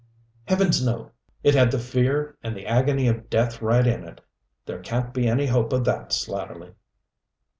"Heavens, no! It had the fear and the agony of death right in it. There can't be any hope of that, Slatterly."